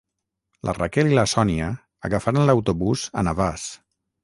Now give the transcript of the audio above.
La Raquel i la Sònia agafaran l'autobús a Navàs